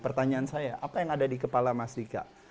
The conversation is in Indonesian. pertanyaan saya apa yang ada di kepala mas dika